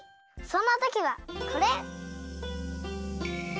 そんなときはこれ！